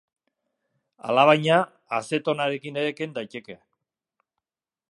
Alabaina, azetonarekin ere ken daiteke.